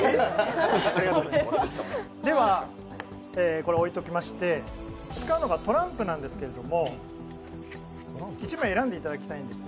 これは置いておきまして、使うのはトランプなんですけど、１枚選んでいただきたいんです。